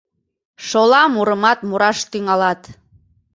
Шола мурымат мураш тӱҥалат.